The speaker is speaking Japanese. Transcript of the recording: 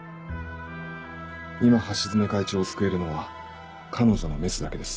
今橋爪会長を救えるのは彼女のメスだけです。